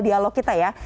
dialog kita ya